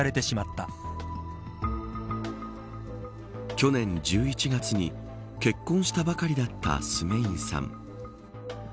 去年１１月に結婚したばかりだったスメインさん。